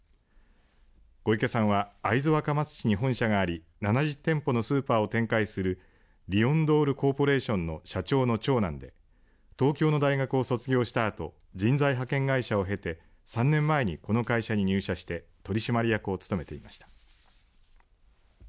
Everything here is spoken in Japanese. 小池さんは会津若松市に本社があり７０店舗のスーパーを展開するリオン・ドールコーポレーションの社長の長男で東京の大学を卒業したあと人材派遣会社を経て３年前に、この会社に入社して取締役を務めていました。